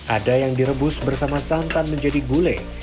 ada yang direbus bersama santan menjadi gulai